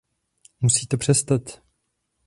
Musí to přestat.